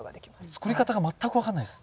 作り方が全く分かんないです。